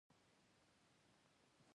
یو سل او شپږ دیرشمه پوښتنه د قانون مرحلې دي.